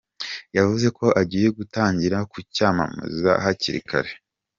Yavuze ko agiye gutangira kucyamamaza hakiri kare.